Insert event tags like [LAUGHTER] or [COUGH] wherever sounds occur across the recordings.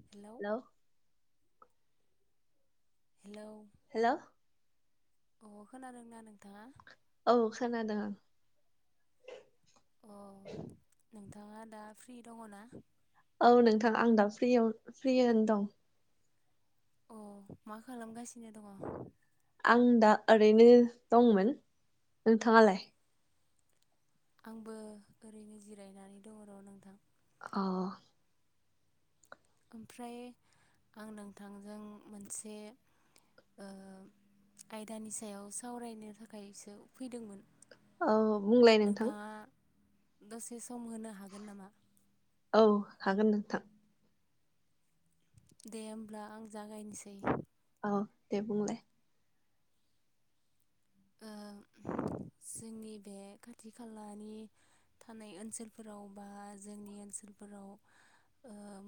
Hello hello hello अ खोनादोंना नोंथाङा औ खानादों अ नोंथाङा दा फ्रि दङ ना औ नोंथां आं दा फ्रि फ्रि आनो दं अ मा खालामगासिनो दङ आं दा ओरैनो दंमोन नोंथाङालाय आंबो ओरैनो जिरायनानै दङ र' नोंथां अ ओमफ्राय आं नोंथांजों मोनसे आयदानि सायाव सावरायनो थाखायसो फैदोंमोन औ बुंलाय नोंथां नोंथाङा दसे सम होनो हागोन नामा औ हागोन नोंथां दे होमब्ला आं जागायनोसै औ दे बुंलाय जोंनि बे खाथि खालानि थानाय ओनसोलफोराव बा जोंनि ओनसोलफोराव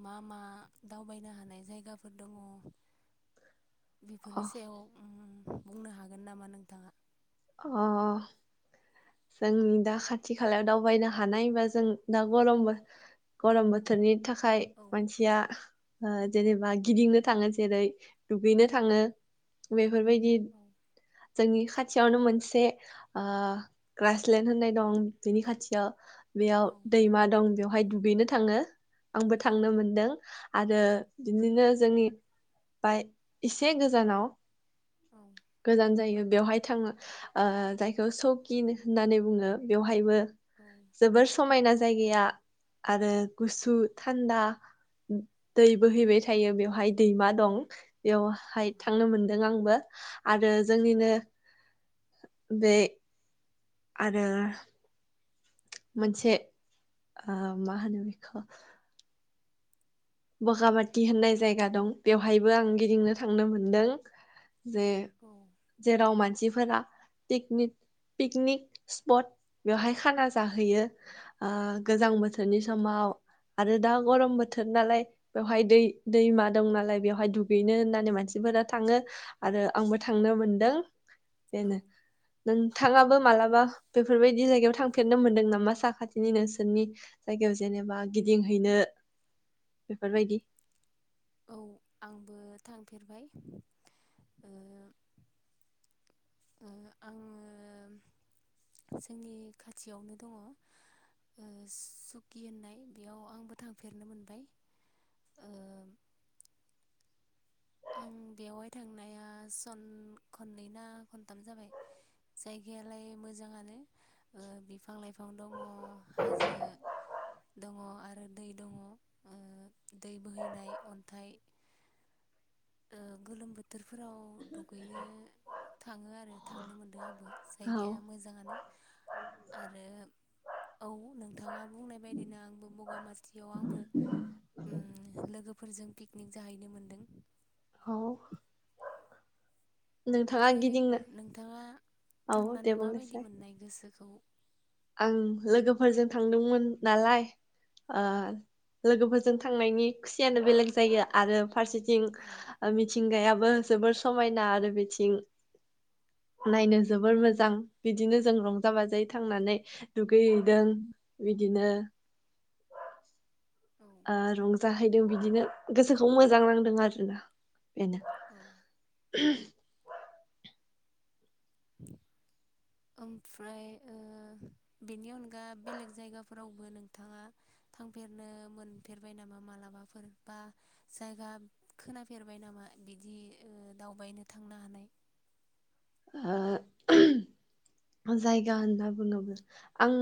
मा मा दावबायनो हानाय जायगाफोर दङ बेफोरनि अ सायाव बुंनो हागोन नामा नोंथाङा अ जोंनि दा खाथि खालायाव दावबायनो हानाय बा जों दा गरम गरम बोथोरनि थाखाय खाइ औ मानसिया जेनेबा गिदिंनो थाङो जेरै दुगैनो थाङो बे बेफोरबायदि औ जोंनि खाथियावनो मोनसे ओ ग्रासलेणड होननाय दं बिनि खाथियाव बेयाव औ दैमा दं बेयाव बहाय दुगैनो थाङो आंबो औ थांनो मोनदों आरो बिदिनो जोंनि बाय एसे गोजानाव औ गोजान जायो बेवहाय थाङो ओ जायखौ सकिन होननानै बुङो बेवहायबो औ जोबोर समायना जायगाया आरो गुसु थान्दा दै बोहैबाय थायो बेवहाय दैमा दं बेवहाय औ थांनो मोनदों आंबो आरो जोंनिनो बे आरो मोनसे आ मा हानो बिखौ बगाबाथि होननाय जायगा दं बेवहायबो आं गिदिंनो थांनो मोनदों जे औ जेराव मान सिफोरानि पिकनिक पिकनिक स्पट बेवहाय खाना जाहैयो ओ गोजां बोथोरनि समाव आरो दा गरम बोथोर नालाय बेवहाय दै दैमा दं नालाय बेवहाय दुगैनो होननानै मानसिफोरा थाङो आरो आंबो थांनो मोनदों औ बेनो नोंथाङाबो मालाबा बेफोरबायदि जायगायाव थांफेरनो मोनदों नामा साखाथिनि नोंसोरनि जायगायाव जेनेबा गिदिंहैनो बेफोरबायदि औ आंबो थांफेरबाय ओ ओ आङो जोंनि खाथियावनो दङ ओ सुकि होननाय बेयाव आंबो थांफेरनो मोनबाय ओ आं बेवहाय थांनाया सन खननै ना खनथाम जाबाय जायगायालाय मोजाङानो ओ बिफां लाइफां दङ हाजो दङ आरो दै दङ ओ दै बोहैनाय अनथाइ ओ गोलोम बोथोर फोराव दुगैनो थाङो आरो थांनो मोनदों आंबो औ जायगाया मोजाङानो आरो औ नोंथाङा बुंनाय बायदिनो आंबो बगामाथियाव आंबो उ लोगोफोरजों पिकनिक जाहैनो मोनदों औ नोंथाङा ओमफ्राय गिदिंनो नोंथाङा औ दे थांनानै माबायदि बुंनोसै मोननाय गोसोखौ आं लोगोफोरजों थांदोंमोन नालाय ओ लोगोफोरजों थांनायनि खुसियानो बेलेग जायो आरो फारसेथिं औ ओ मि थिंगायाबो जोबोर समायना आरो बिथिं नायनो जोबोर मोजां बिदिनो जों रंजा बाजायै थांनानै दुगैहैदों बिदिनो औ ओ रंजाहैदों बिदिनो गोसोखौ मोजां नांदों आरोना बेनो औ [UNINTELLIGIBLE] ओमफ्राय ओ बेनि अनगा बेलेग जायगाफोरावबो नोंथाङा थांफेरनो मोनफेरबाय नामा मालाबाफोर बा जायगा खोनाफेरबाय नामा बिदि ओ दावबायनो थांनो हानाय ओ जायगा होनना बुङोब्ला आं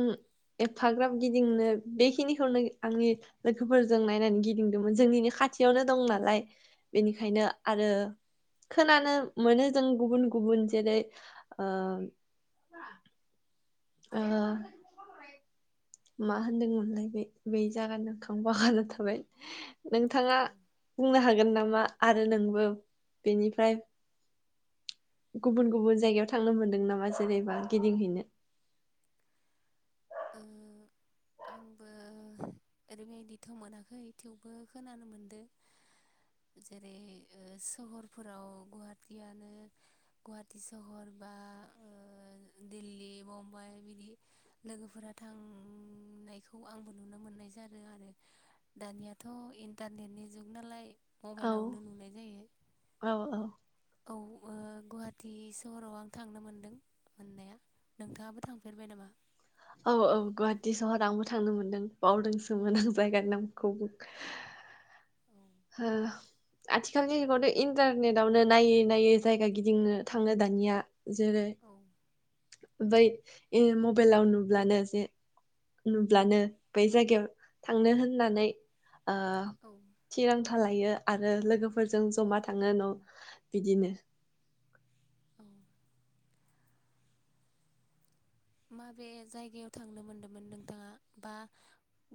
एफाग्राब गिदिंनो बेखिनिखौनो आंनि लोगोफोरजों नायनानै गिदिंदोंमोन जोंनिनो खाथियावनो दं नालाय औ बेनिखायनो आरो खोनानो मोनो जों गुबुन गुबुन जेरै ओ ओ मा होनदोंमोनलाय बे बै जागानि नामखो आं बावगारना थाबाय नोंथाङा औ बुंनो हागोन नामा मा आरो नोंबो बेनिफ्राय गुबुन गुबुन जायगायाव थांनो मोनदों नामा जेरैबा गिदिंहैनो ओ आंबो ओरैबायदिथ' मोनाखै थेवबो खोनानो मोनदों जेरै ओ सहरफोराव गुवाहाटियानो गुवाहाटि सहर बा ओ दिल्ली मम्बाइ बिदि लोगोफोरा थां नायखौ आंबो नुनो मोननाय जादों आरो दानियाथ' इन्टारनेटनि जुग नालाय औ मबाइलावनो नुनाय जायो औ औ औ ओ गुवाहाटि सहराव आं थांनो मोनदों मोननाया नोंथाङाबो थांफेरबाय नामा औ औ गुवाहाटि सहर आंबो थांनो मोनदों बावदोंसोमोन आं जायगानि नामखौ औ ओ आथिखालनि जुगावथ' इन्टारनेटावनो नायै नायै जायगा गिदिंनो थाङो दानिया जेरै औ बै ए मबेलाव नुब्लानो जे नुब्लानो बै जायगायाव थांनो होननानै आ मोनथालायो आरो लोगोफोरजों जमा थाङो न' बिदिनो औ माबे जायगायाव थांनो मोनदोंमोन नोंथाङा बा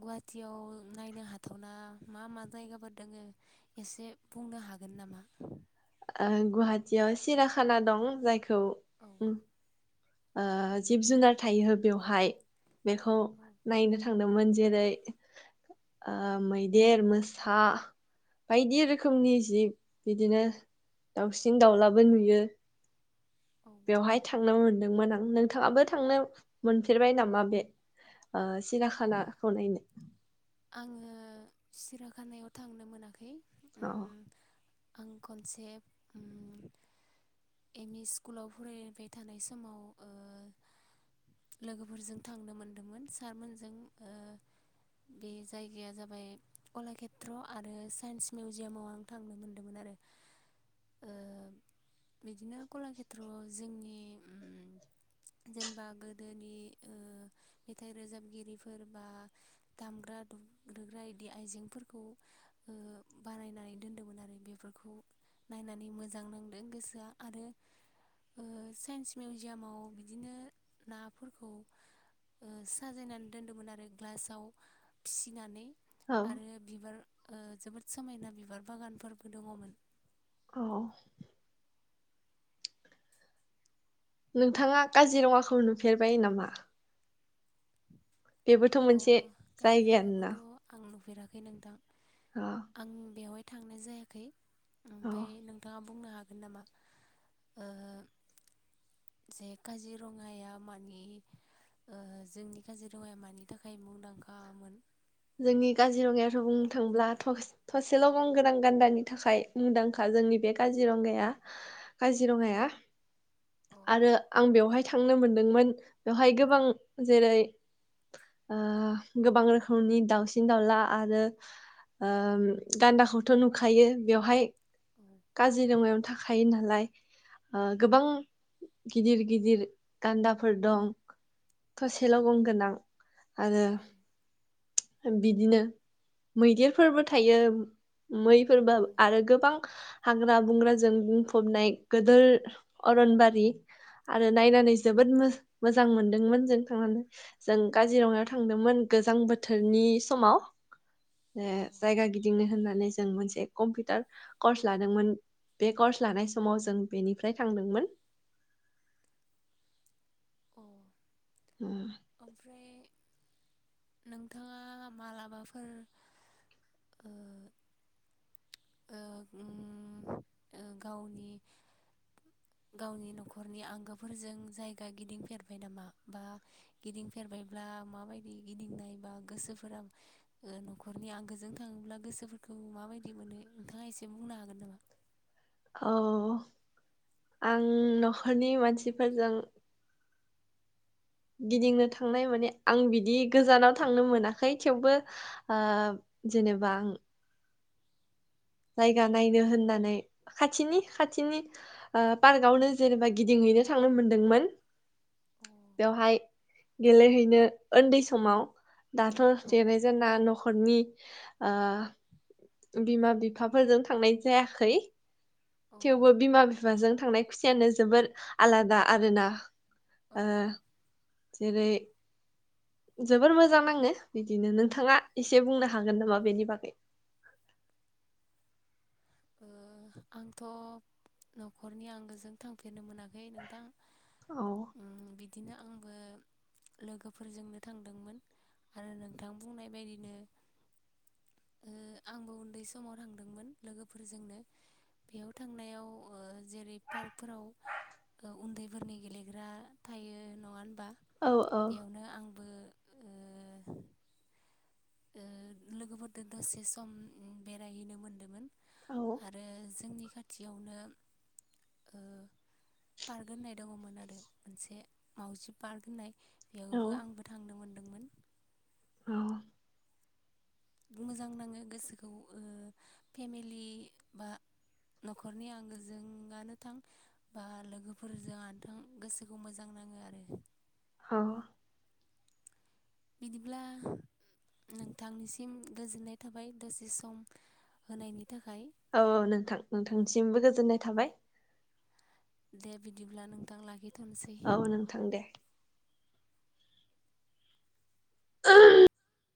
गुवाहाटियाव नायनो हाथावना मा मा जायगाफोर दोङो एसे बुंनो हागोन नामा ओ गुवाहाटियाव सिराखाना दं जायखौ औ ओम ओ जिब जुनार थायहो बेवहाय बेखौ औ नायनो थांदोंमोन जेरै मैदेर मोसा बायदि रोखोमनि जिब बिदिनो दाउसिन दाउलाबो नुयो औ बेवहाय थांनो मोनदोंमोन आं नोंथाङाबो थांनो मोनफेरबाय नामा बे ओ सिराखानाखौ नायनो आङो सिराखानायाव थांनो मोनाखै औ उम आं खनसे ओम एम इ स्कुलाव फरायबाय थानाय समाव ओ लोगोफोरजों थांनो मोनदोंमोन सारमोनजों बे जायगाया जाबाय कलाकेत्र आरो साइन्स मिउजियामाव आं थांनो मोनदोंमोन आरो ओ बिदिनो कलाकेत्रआव जोंनि जेनेबा गोदोनि मेथाइ रोजाबगिरिफोर बा दामग्रा दुग्रा बिदि आइजेंफोरखौ बानायनानै दोन्दोंमोन आरो बेफोरखौ नायनानै मोजां नांदों गोसोआ आरो ओ साइन्स मिउजियामाव बिदिनो नाफोरखौ साजायनानै दोनदोंमोन आरो ग्लासाव फिसिनानै औ आरो बिबार ओ जोबोद समायना बिबार बागानफोरबो दङमोन औ नोंथाङा काजिरङाखौ नुफेरबाय नामा बेबोथ' अ मोनसे जायगायानोना फेराखै नोंथां औ आं बेवहाय थांनाय जायाखै औ ओमफ्राय नोंथाङा बुंनो हागोन नामा ओ जे काजिरङाया मानि ओ जोंनि काजिरङाया मानि थाखाय मुंदांखामोन जोंनि काजिरङायाथ' बुंनो थांब्ला थ' थसेल' गंगोनां गान्दानि थाखाय मुंदांखा जोंनि बे काजिरङाया काजिरङाया अ आरो आं बेवहाय थांनो मोनदोंमोन बेवहाय गोबां जेरै ओ गोबां रो खोमनि दाउसिन दाउला आरो ओ गान्दाखौथ' नुखायो बेवहाय औ काजिरङायावनो था खायो नालाय ओ गोबां गिदिर गिदिर गान्दाफोर दं औ थसेल' गंगोनां आरो बिदिनो मैदेरफोरबो थायो मैफोरबो औ आरो गोबां हाग्रा बंग्राजों बुंफबनाय गोदोर अरनबारि आरो नायनानै जोबोद मोजां मोनदोंमोन जों थांनानै जों काजिरङायाव थांदोंमोन गोजां बो थोरनि समाव ए औ औ जायगा गिदिंनो होननानै जों मोनसे कम्पिउटार कर्स लादोंमोन बे कर्स लानाय समाव जों बेनिफ्राय थांदोंमोन औ उम। ओमफ्राय नोंथाङा मालाबाफोर ओ ओ उम ओ गावनि गावनि न'खरनि आंगोफोरजों जायगा गिदिंफेरबाय नामा बा गिदिंफेरबायब्ला माबायदि गिदिंनाय बा गोसोफोरा ओ न'खरनि आंगोजों थाङोब्ला गोसोफोरखौ माबायदि मोनो नोंथाङा एसे बुंनो हागोन नामा औ आं न'खरनि मानसिफोरजों गिदिंनो थांनाय माने आं बिदि गोजानाव थांनो मोनाखै थेवबो आ जेनेबा आं जायगा नायनो होननानै खाथिनि खाथिनि ओ पार्कआवनो जेनेबा गिदिंहैनो थांनो मोनदोंमोन अ बेवहाय गेलेहैनो उन्दै समाव दाथ' अ देरनायजों ना न ख'रनि ओ बिमा बि फाफोरजों थांनाय जायाखै अ थेवबो बिमा बिफाजों थांनाय खुसियानो जोबोर आलादा आरोना औ ओ जेरै जोबोर मोजां नाङो बिदिनो नोंथाङा एसे बुंनो हागोन नामा बेनि बागै ओ आंथ' न'खरनि आंगोजों थांफेरनो मोनाखै नोंथां औ दिनो आंबो लोगोफोरजोंनो थांदोंमोन आरो नोंथां बुंनाय बायदिनो ओ आंबो उन्दै समाव थांदोंमोन लोगो फोरजोंनो बेयाव थांनायाव ओ जेरै पार्कफोराव उन्दैफोरनि गेलेग्रा थायो नङा होन बा औ औ बेयावनो आंबो ओ ओ लोगोफोरदों दसे सम बेरायहैनो मोनदोमोन औ आरो जोंनि खाथियावनो ओ पार्क होननाय दङमोन आरो मोनसे मावजि पार्क होननाय बेयावबो औ आंबो थांनोमोन औ मोजां नाङो गोसोखौ ओ फेमिलि बा न'खरनि आंगोजोंआनो थां बा लोगोफोरजों आनो थां गोसोखौ मोजां नाङो आरो ह बिदिब्ला नोंथांनिसिम गोजोननाय थाबाय दसे सम होनायनि थाखाय औ नोंथां नोंथांसिमबो गोजोननाय थाबाय दे बिदिब्ला नोंथां लाखि औ नोंथां दे [UNINTELLIGIBLE]